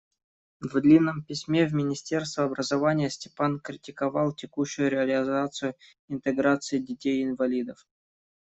В длинном письме в министерство образования Степан критиковал текущую реализацию интеграции детей-инвалидов.